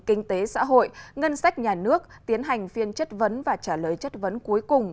kinh tế xã hội ngân sách nhà nước tiến hành phiên chất vấn và trả lời chất vấn cuối cùng